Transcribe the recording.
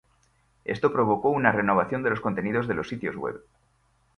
Esto provocó una renovación de los contenidos de los sitios web.